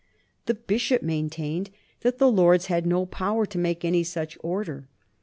The Bishop maintained that the Lords had no power to make any such order.